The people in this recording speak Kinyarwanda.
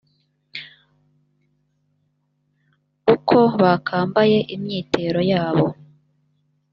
uko bakambaye imyitero yabo